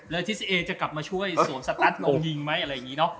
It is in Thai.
แล้วทิสเอจะกลับมาช่วยสวมสตั๊ดลงยิงไหมอะไรอย่างนี้เนอะ